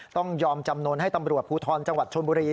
ต้องยอมจำนวนให้ตำรวจภูทรจังหวัดชนบุรี